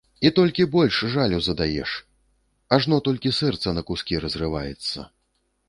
І толькі больш жалю задаеш, ажно толькі сэрца на кускі разрываецца.